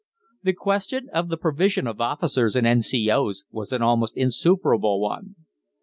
The question of the provision of officers and N.C.O.'s was an almost insuperable one.